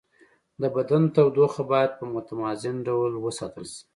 د بدن تودوخه باید په متوازن ډول وساتل شي.